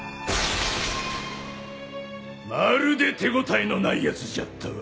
まるで手応えのないやつじゃったわ。